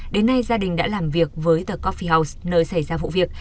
đến nay gia đình đã làm việc với the coffee house nơi xảy ra vụ việc